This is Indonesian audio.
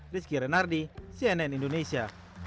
rizky renardi cnn indonesia